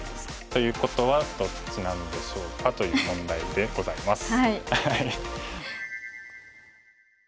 ということはどっちなんでしょうかという問題でございます。